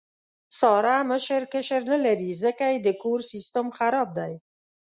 ساره مشر کشر نه لري، ځکه یې د کور سیستم خراب دی.